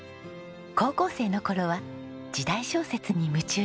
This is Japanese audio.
高校生の頃は時代小説に夢中でした。